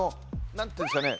何ていうんですかね